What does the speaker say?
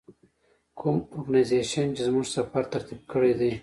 کوم ارګنایزیشن چې زموږ سفر ترتیب کړی دی.